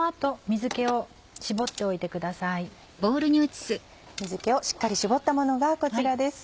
水気をしっかり絞ったものがこちらです。